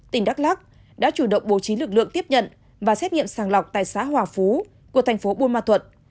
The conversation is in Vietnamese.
tỉnh đắk lắc đã chủ động bố trí lực lượng tiếp nhận và xét nghiệm sàng lọc tại xã hòa phú của thành phố buôn ma thuận